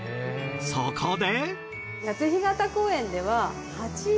そこで。